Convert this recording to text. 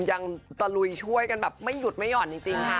ยังตะลุยช่วยกันแบบไม่หยุดไม่ห่อนจริงค่ะ